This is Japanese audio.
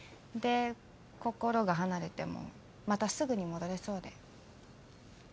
で心が離れてもまたすぐに戻れそうで。